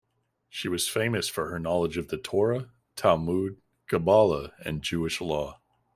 She was famous for her knowledge of the Torah, Talmud, Kabbalah and Jewish law.